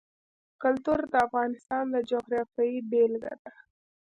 کلتور د افغانستان د جغرافیې بېلګه ده.